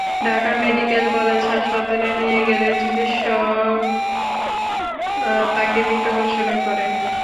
Dhaka medical college হাসপাতালে নিয়ে গেলে চিকিৎকস তাঁকে মৃত ঘোষণা করেন।